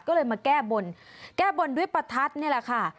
ก็เลยมาแก้บนแก้บนด้วยประทัดนี่แหละค่ะ